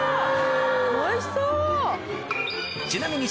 おいしそう！